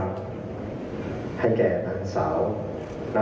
ให้แก่หลานสาว